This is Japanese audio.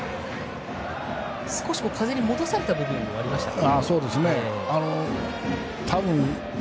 少し風に戻された部分もありましたか。